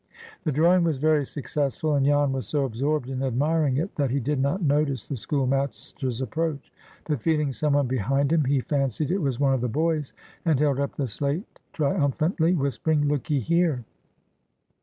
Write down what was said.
The drawing was very successful, and Jan was so absorbed in admiring it that he did not notice the schoolmaster's approach, but feeling some one behind him, he fancied it was one of the boys, and held up the slate triumphantly, whispering, "Look 'ee here!"